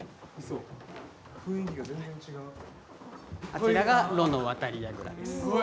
あちらがロの渡櫓です。